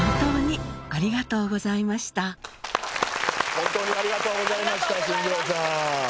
本当にありがとうございました進次郎さん。